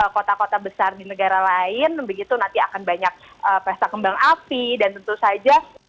kota kota besar di negara lain begitu nanti akan banyak pesta kembang api dan tentu saja